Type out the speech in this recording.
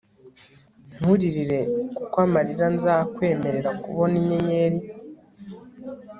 nturirire kuko amarira ntazakwemerera kubona inyenyeri